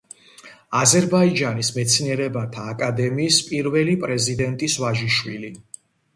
აზერბაიჯანის მეცნიერებათა აკადემიის პირველი პრეზიდენტის ვაჟიშვილი.